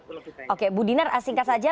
oke bu dinar singkat saja